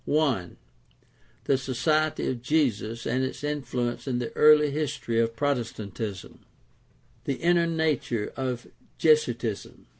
I. The Society of Jesus and its influence in the early history of Protestantism: The inner nature of Jesuitism.